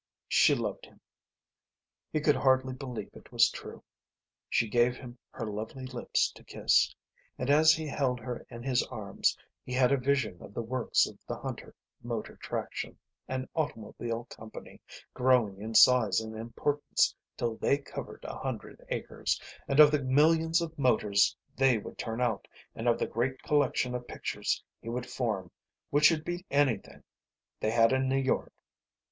She loved him. He could hardly believe it was true. She gave him her lovely lips to kiss. And as he held her in his arms he had a vision of the works of the Hunter Motor Traction and Automobile Company growing in size and importance till they covered a hundred acres, and of the millions of motors they would turn out, and of the great collection of pictures he would form which should beat anything they had in New York.